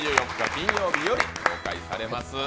金曜日より公開されます。